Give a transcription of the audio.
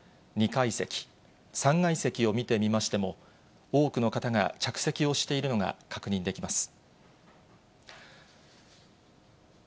２階席、３階席を見てみましても、多くの方が着席をしているのが確認できます。